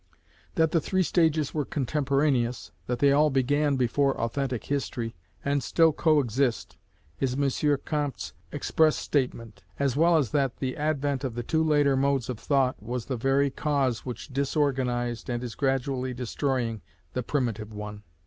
That the three states were contemporaneous, that they all began before authentic history, and still coexist, is M. Comte's express statement: as well as that the advent of the two later modes of thought was the very cause which disorganized and is gradually destroying the primitive one.